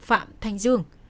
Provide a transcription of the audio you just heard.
phạm thanh dương